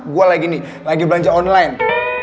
gue lagi belanja online